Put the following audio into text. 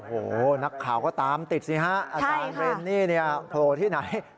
โอ้โหนักข่าวก็ตามติดสิฮะอาจารย์เรนนี่เนี่ยโผล่ที่ไหน